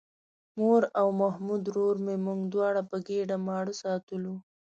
مور او محمود ورور مې موږ دواړه په ګېډه ماړه ساتلو.